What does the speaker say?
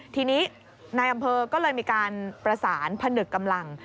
ทีนี้นายอำเภอก็เลยมีการประสานพนึกกำลัง